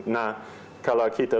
nah kalau kita